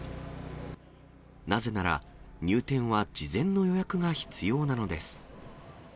なぜなら、入店は事前の予約が必要なのです。